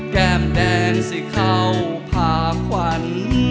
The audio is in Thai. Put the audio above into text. แก้มแดงสิเข้าผ่าขวัญ